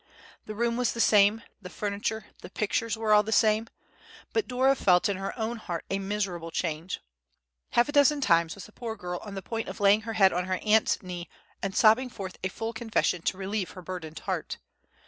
The room was the same, the furniture, the pictures were all the same, but Dora felt in her own heart a miserable change. Half a dozen times was the poor girl on the point of laying her head on her aunt's knee, and sobbing forth a full confession to relieve her burdened heart.